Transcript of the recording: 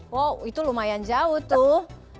wow itu lumayan jauh tuh